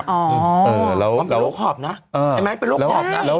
มันเป็นโรคหอบนะไอ้ไมค์เป็นโรคหอบนะ